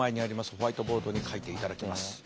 ホワイトボードに書いていただきます。